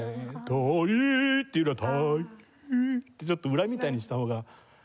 「タイ！」っていうよりは「タリ」ってちょっと裏みたいにした方がよりくるよね。